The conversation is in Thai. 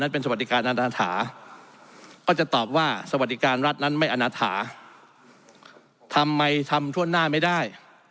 ประการรัฐนั้นไม่อนาถาทำไมทำช่วงหน้าไม่ได้